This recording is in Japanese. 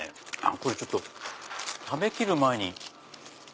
これちょっと食べきる前に。